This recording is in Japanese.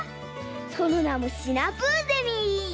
そのなもシナプーゼミ！